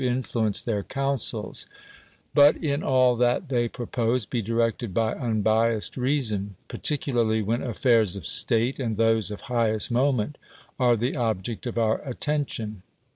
In this oratioa DEMOSTHENES all that they propose, be directed by unbiased reason; particularly when affairs of state, and those of highest moment, are the object of our attention.